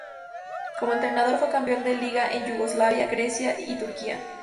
Como entrenador fue campeón de liga en Yugoslavia, Grecia y Turquía.